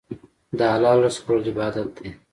د حلال رزق خوړل عبادت دی.